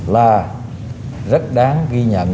là rất đáng ghi nhận